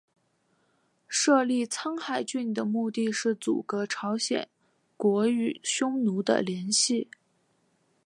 设立苍海郡的目的是阻隔朝鲜国与匈奴的联系。